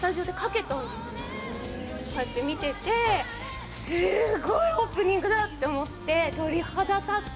こうやって見てて、すごいオープニングだなって思って鳥肌立って。